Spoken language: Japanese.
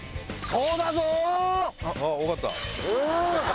そうだぞー。